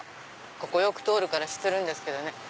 ここよく通るから知ってるんですけどね。